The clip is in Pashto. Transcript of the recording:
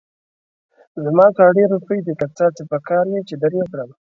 زما سره ډېرې روپۍ دي، که ستاسې پکار وي، چې در يې کړم